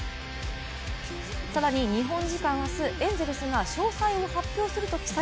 更に、日本時間明日、エンゼルスが詳細を発表すると記載。